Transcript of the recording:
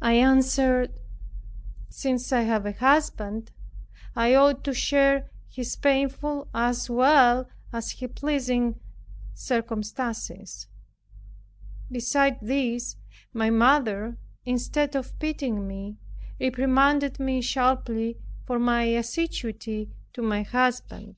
I answered, "Since I have a husband, I ought to share his painful as well as his pleasing circumstances." Besides this, my mother, instead of pitying me, reprimanded me sharply for my assiduity to my husband.